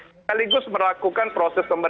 sekaligus melakukan proses pembersih dan